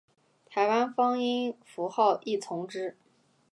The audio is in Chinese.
台湾方音符号亦从之。